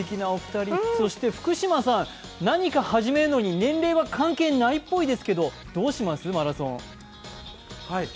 そして福島さん、何か始めるのに年齢は関係ないっぽいですけど、どうですか、マラソン。